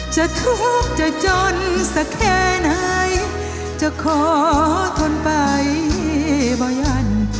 จะทุกข์จะจนสักแค่ไหนจะขอทนไปบ่ยัน